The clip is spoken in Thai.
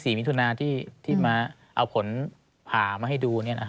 มิถุนาที่มาเอาผลผ่ามาให้ดู